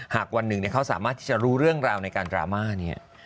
หากวันหนึ่งเขาสามารถที่จะรู้เรื่องราวในการดราม่าเนี่ย